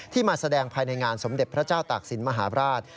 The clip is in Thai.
ที่มาแสดงภายในงานสมเด็จพระเจ้าตากสินมหาวราช